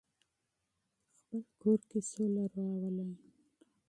خپل کور کې سوله راولئ.